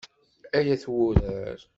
Ay at wurar.